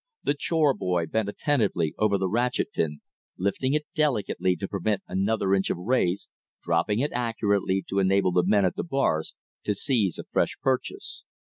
The chore boy bent attentively over the ratchet pin, lifting it delicately to permit another inch of raise, dropping it accurately to enable the men at the bars to seize a fresh purchase.